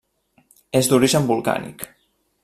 És d'origen volcànic.